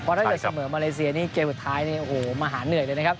เพราะถ้าเราเสมอมาเลเซียนี่เกมสุดท้ายโอ้โหมหาเหนื่อยเลยนะครับ